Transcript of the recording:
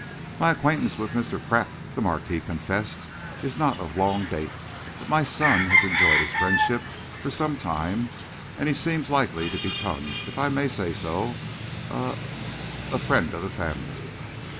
"My acquaintance with Mr. Pratt," the Marquis confessed, "is not of long date, but my son has enjoyed his friendship for some time, and he seems likely to become, if I may say so, a er a friend of the family."